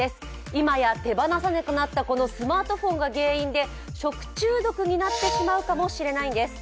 今や手放せなくなったこのスマートフォンが原因で食中毒になってしまうかもしれないんです。